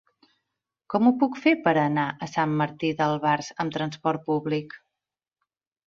Com ho puc fer per anar a Sant Martí d'Albars amb trasport públic?